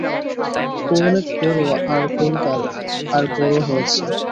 ও অনেক বড় আর গোলগাল আর বড় হয়েছে।